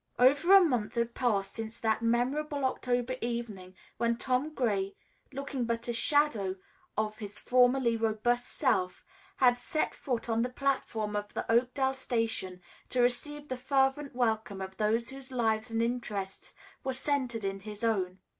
Over a month had passed since that memorable October evening when Tom Gray, looking but a shadow of his formerly robust self, had set foot on the platform of the Oakdale station to receive the fervent welcome of those whose lives and interests were centered in his own.